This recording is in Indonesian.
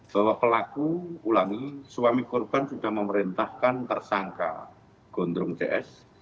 bahwa pelaku ulangi suami korban sudah memerintahkan tersangka gondrung cs